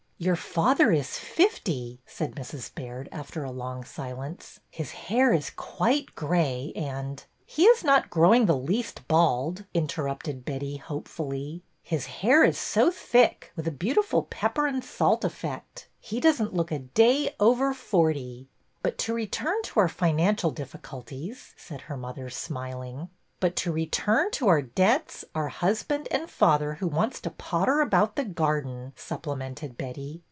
'' Your father is fifty," said Mrs. Baird, after a long silence. '' His hair is quite gray and —"'' He is not growing the least bald," interrupted Betty, hopefully. '' His hair is so thick, with a beautiful pepper and salt effect. He does n't look a day over forty." '' But to return to our financial difficulties," said her mother, smiling. '' But to return to our debts, our husband and father who wants to potter about the garden," supplemented Betty.